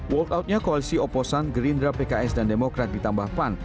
walk out nya koalisi oposan gerindra pks dan demokrat ditambah pan